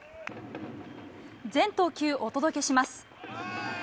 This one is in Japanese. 全投球お届けします。